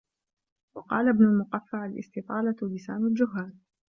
وَقَالَ ابْنُ الْمُقَفَّعِ الِاسْتِطَالَةُ لِسَانُ الْجُهَّالِ